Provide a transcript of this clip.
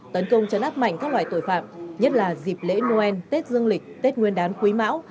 tấn công chấn áp mạnh các loại tội phạm nhất là dịp lễ noel tết dương lịch tết nguyên đán quý mão